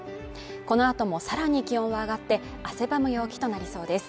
この後もさらに気温が上がって、汗ばむ陽気となりそうです。